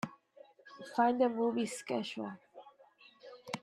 Find the movie schedule.